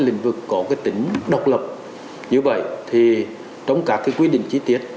ba lĩnh vực có tính độc lập như vậy thì trong các quyết định chi tiết